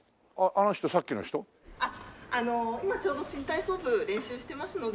あの今ちょうど新体操部練習してますので。